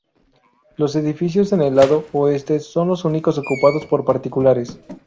Los edificios en el lado oeste son los únicos ocupados por particulares.